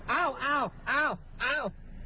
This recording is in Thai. เอ้าเอ้าเอ้าเอ้า